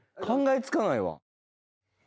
考えつかないわ。